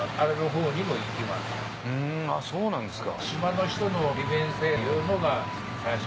あっそうなんですか。